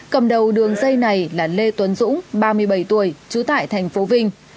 cầm đầu đường dây này là lê tuấn dũng ba mươi bảy tuổi trú tại thành phố vinh